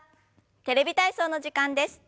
「テレビ体操」の時間です。